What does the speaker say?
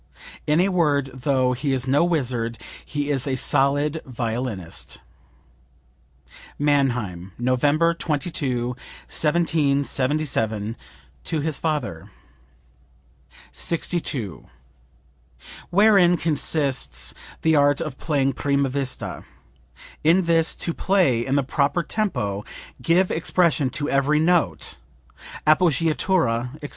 In a word, though he is no wizard he is a solid violinist." (Mannheim, November 22, 1777, to his father.) 62. "Wherein consists the art of playing prima vista? In this: To play in the proper tempo; give expression to every note, appoggiatura, etc.